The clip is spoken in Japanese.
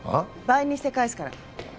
倍にして返すから。